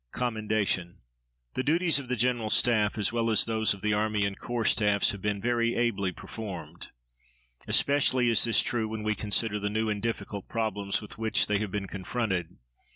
COMMENDATION The duties of the General Staff, as well as those of the army and corps staffs, have been very ably performed. Especially is this true when we consider the new and difficult problems with which they have been confronted.